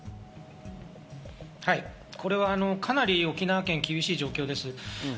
これはかなり沖縄県は厳しい状況です。